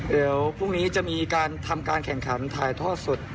เดี๋ยวพรุ่งนี้จะมีการทำการแข่งขันถ่ายทอดสด